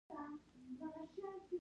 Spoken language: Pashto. زما سفر اووه ورځو اوږد شو.